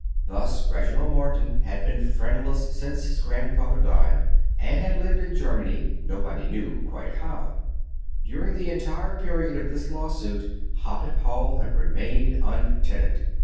Thus Reginald Morton had been friendless since his grandfather died, and had lived in Germany, nobody quite knew how. During the entire period of this law suit Hoppet Hall had remained untenanted.